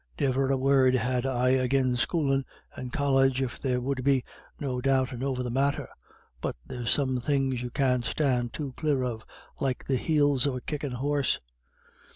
Ne'er a word have I agin schoolin' and College if there would be no doubtin' over the matter; but there's some things you can't stand too clear of, like the heels of a kickin' horse.